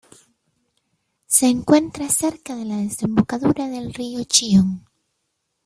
Se encuentra cerca de la desembocadura del río Chillón.